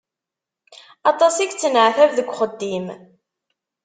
Aṭas i yettneɛtab deg uxeddim.